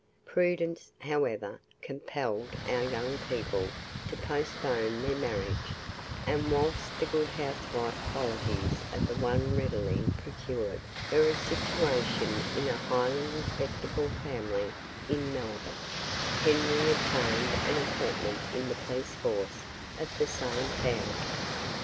Prudence, however, compelled our young people to postpone their marriage, and whilst the good housewife qualities of the one readily procured her a situation in a highly respectable family in Melbourne, Henry obtained an appointment in the police force of the same town.